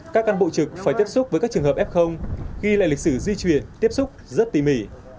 các cán bộ trực phải tiếp xúc với các trường hợp f ghi lại lịch sử di chuyển tiếp xúc rất tỉ mỉ